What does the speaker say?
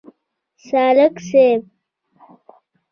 سالک صیب.